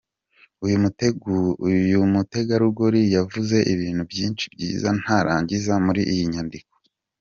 Uyu mutegarugori yavuze ibintu byinshi byiza ntarangiza muri iyi nyandiko ngufi.